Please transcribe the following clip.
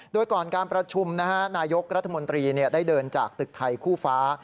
โดยก่อนการประชุมนายกรัฐมนตรีได้เดินจากตึกไทยคู่ฟ้า